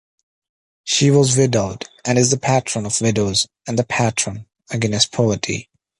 She was widowed and is the patron of widows and the patron against poverty.